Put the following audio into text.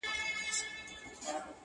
د محبت دار و مدار کي خدايه ،